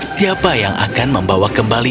tak pendulikan theoublbet